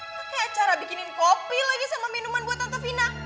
pakai acara bikinin kopi lagi sama minuman buat tantevina